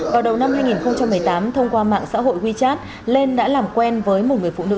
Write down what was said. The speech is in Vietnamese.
vào đầu năm hai nghìn một mươi tám thông qua mạng xã hội wechat lên đã làm quen với một người phụ nữ